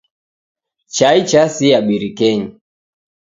Chai chasia birikenyi.